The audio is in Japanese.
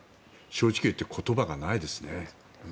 正直言って言葉がないですね。